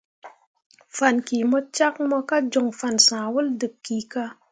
Fan ki mo cak mo ka joŋ fan sãh wol dǝb kika.